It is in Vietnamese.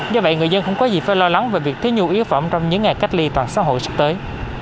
do vậy người dân không có gì phải lo lắng về việc thiếu nhu yếu phẩm trong những ngày cách ly toàn xã hội sắp tới